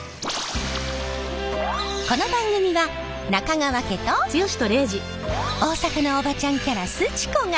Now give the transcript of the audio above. この番組は中川家と大阪のおばちゃんキャラすち子が